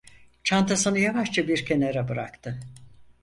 Çantasını yavaşça bir kenara bıraktı.